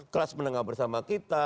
kelas menengah bersama kita